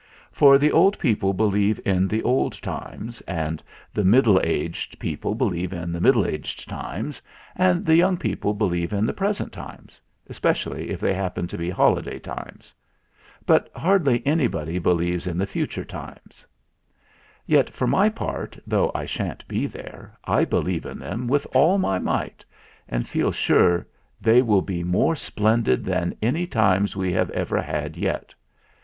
For the old people believe in the old times, and the middle aged people believe in the middle aged times, and the young people believe in the present times, especially if they happen to be holiday times. But hardly anybody believes in the 16 THE FLINT HEART future times. Yet, for my part, though I sha'n't be there, I believe in them with all my might, and feel sure that they will be more splendid than any times we have ever had yet.